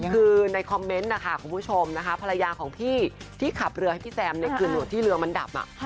คือในคอมเมนต์นะคะคุณผู้ชมนะคะภรรยาของพี่ที่ขับเรือให้พี่แซมเนี่ยคือหนวดที่เรือมันดับ